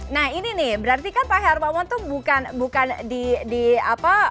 nah ini nih berarti kan pak hermawan tuh bukan di apa